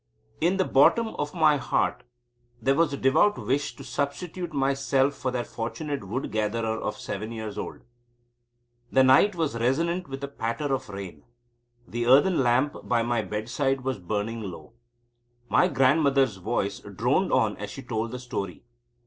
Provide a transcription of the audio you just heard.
In the bottom of my heart there was a devout wish to substitute myself for that fortunate wood gatherer of seven years old. The night was resonant with the patter of rain. The earthen lamp by my bedside was burning low. My grandmother's voice droned on as she told the story.